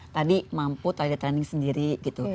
tadi mampu toilet training sendiri gitu